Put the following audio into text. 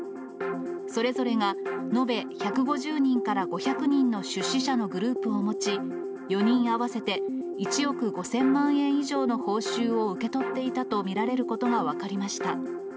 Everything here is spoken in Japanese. それぞれが延べ１５０人から５００人の出資者のグループを持ち、４人合わせて１億５０００万円以上の報酬を受け取っていたと見られることが分かりました。